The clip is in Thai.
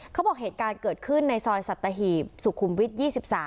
เขาบอกเหตุการณ์เกิดขึ้นในซอยสัตหีบสุขุมวิทย์๒๓